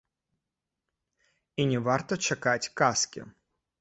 І не варта чакаць казкі.